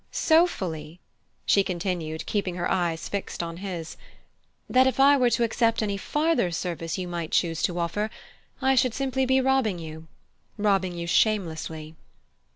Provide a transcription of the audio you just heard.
So fully," she continued, keeping her eyes fixed on his, "that if I were to accept any farther service you might choose to offer, I should simply be robbing you robbing you shamelessly."